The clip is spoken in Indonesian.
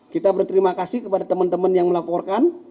kita berterima kasih kepada teman teman yang melaporkan